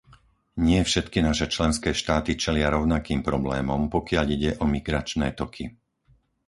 Nie všetky naše členské štáty čelia rovnakým problémom, pokiaľ ide o migračné toky.